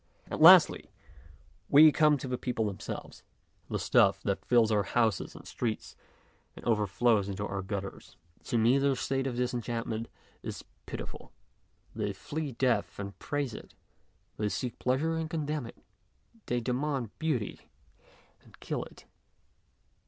And, lastly, we come to the people them THE AGE OF DISENCHANTMENT 105 selves, the stuff that fills our houses and streets and overflows into our gutters. To me their state of disenchantment is pitiful. They flee death and praise it, they seek pleasure and condemn it, they demand beauty and kill it.